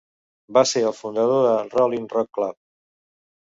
Va ser el fundador del Rolling Rock Club.